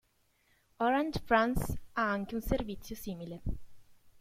Orange France ha anche un servizio simile.